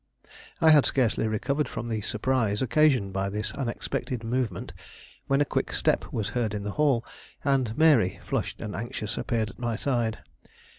I had scarcely recovered from the surprise occasioned by this unexpected movement when a quick step was heard in the hall, and Mary, flushed and anxious, appeared at my side.